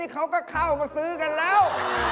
เขาก็เข้ามาซื้อกันแล้ว